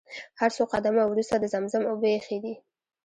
هر څو قدمه وروسته د زمزم اوبه ايښي دي.